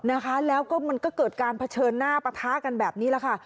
นะคะแล้วก็มันก็เกิดการเผชิญหน้าปะทะกันแบบนี้แหละค่ะ